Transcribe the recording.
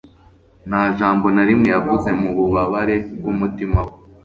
Nta jambo na rimwe yavuze mu bubabare bwumutima we